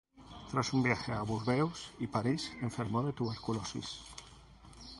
Tras un viaje a Burdeos y París enfermó de tuberculosis.